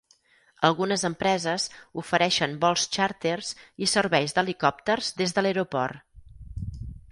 Algunes empreses ofereixen vols xàrters i serveis d'helicòpters des de l'aeroport.